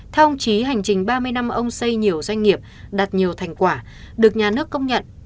theo ông chí hành trình ba mươi năm ông xây nhiều doanh nghiệp đạt nhiều thành quả được nhà nước công nhận